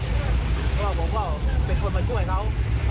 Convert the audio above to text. เพราะผมก็เป็นคนเหมือนกับเขา